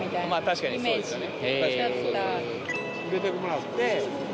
確かにそうですよね。